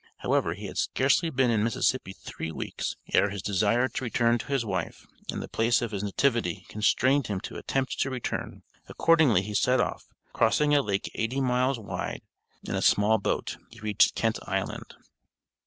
However, he had scarcely been in Mississippi three weeks, ere his desire to return to his wife, and the place of his nativity constrained him to attempt to return; accordingly he set off, crossing a lake eighty miles wide in a small boat, he reached Kent Island.